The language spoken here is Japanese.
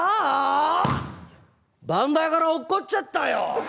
「番台から落っこっちゃったよ」。